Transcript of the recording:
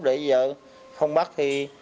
để giờ không bắt thì